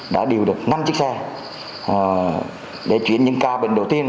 đã điều được năm chiếc xe để chuyển những ca bệnh đầu tiên